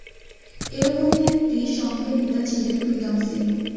এরকমই একটি সংঘের নেতা ছিলেন প্রীতম সিং।